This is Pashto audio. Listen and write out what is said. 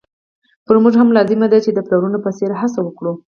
پر موږ هم لازمه ده چې د پلرونو په څېر هڅه وکړو.